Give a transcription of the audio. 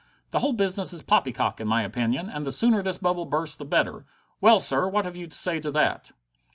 The whole business is poppycock, in my opinion, and the sooner this bubble bursts the better. Well, sir, what have you to say to that?"